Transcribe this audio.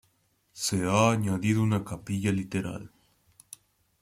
Se ha añadido una capilla lateral.